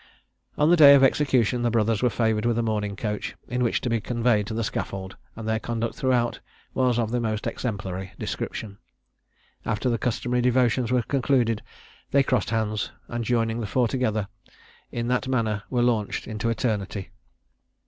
On the day of execution the brothers were favoured with a mourning coach, in which to be conveyed to the scaffold; and their conduct throughout was of the most exemplary description. After the customary devotions were concluded, they crossed hands, and joining the four together, in that manner were launched into eternity.